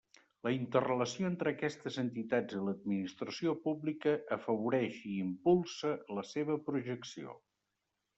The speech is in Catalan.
La interrelació entre aquestes entitats i l'Administració pública afavoreix i impulsa la seva projecció.